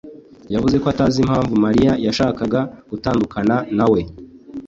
yavuze ko atazi impamvu Mariya yashakaga gutandukana na we.